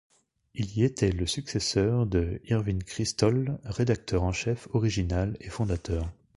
Il y était le successeur de Irving Kristol, rédacteur en chef original et fondateur.